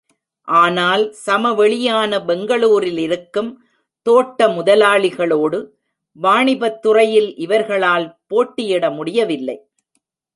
ஆனால் சமவெளியான பெங்களூரிலிருக்கும் தோட்ட முதலாளிகளோடு, வாணிபத் துறையில் இவர்களால் போட்டியிட முடியவில்லை.